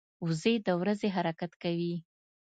وزې د ورځي حرکت کوي